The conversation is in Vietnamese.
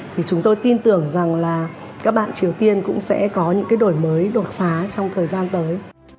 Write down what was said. thì chúng tôi tin tưởng rằng là các bạn triều tiên cũng sẽ có những cái đổi mới đột phá trong thời gian tới